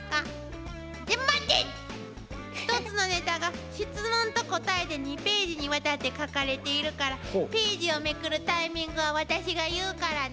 １つのネタが質問と答えで２ページにわたって書かれているからページをめくるタイミングは私が言うからね。